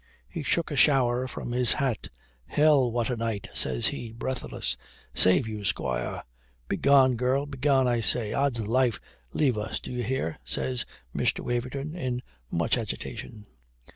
He shook a shower from his hat. "Hell! What a night," says he, breathless. "Save you, squire!" "Begone, girl! Begone, I say. Od's life, leave us, do you hear?" says Mr. Waverton, in much agitation.